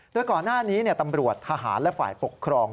โดยก่อนหน้านี้ตำรวจทหารและฝ่ายปกครอง